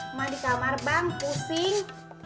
cuma di kamar bang pusing